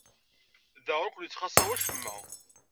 Da ur ken-yettxaṣṣa wacemma.